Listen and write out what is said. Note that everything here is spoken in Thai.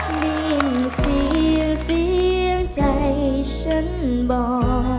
ฉันได้ยินเสียงเสียงใจฉันบอก